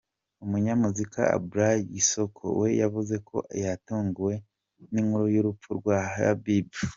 Umunyamuziki Ablaye Cissoko we yavuze ko yatunguwe n’inkuru y’urupfu rwa Habib Faye.